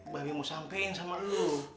babi mau sampein sama lu